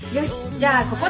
じゃあここで。